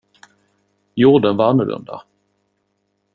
Jorden var annorlunda.